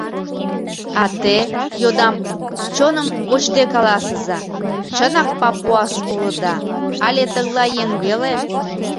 — А те, — йодам, — чоным кочде каласыза, чынак папуас улыда але тыглай еҥ веле?